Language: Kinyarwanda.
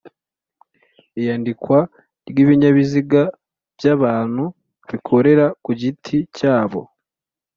Iyandikwa ry'ibinyabiziga by’abantu bikorera ku giti cyabo